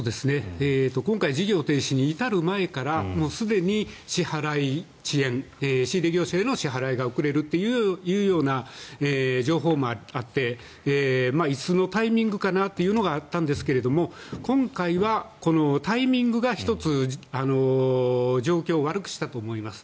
今回事業停止に至る前からすでに支払い、遅延仕入れ業者への支払いが遅れるというような情報もあっていつのタイミングかなというのがあったんですけれども今回はタイミングが１つ状況を悪くしたと思います。